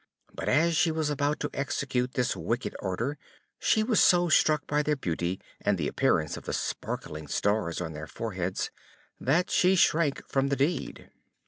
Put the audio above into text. But as she was about to execute this wicked order, she was so struck by their beauty, and the appearance of the sparkling stars on their foreheads, that she shrank from the deed.